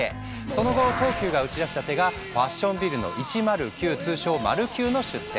その後東急が打ち出した手がファッションビルの１０９通称マルキューの出店。